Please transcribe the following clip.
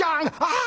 「ああ！